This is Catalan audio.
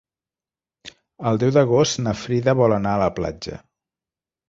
El deu d'agost na Frida vol anar a la platja.